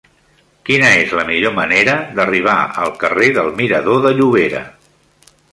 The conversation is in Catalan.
Quina és la millor manera d'arribar al carrer del Mirador de Llobera?